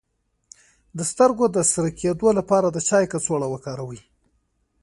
د سترګو د سره کیدو لپاره د چای کڅوړه وکاروئ